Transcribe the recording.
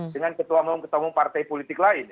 dengan ketua umum partai politik lain